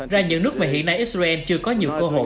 ra những nước mà hiện nay israel chưa có nhiều cơ hội